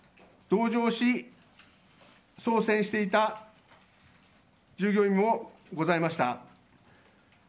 同乗し、操船していた従業員もございました。